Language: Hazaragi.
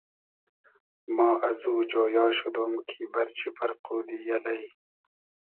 ما ازو جۉیا شودوم کی بئرچی پئرقودی الݷ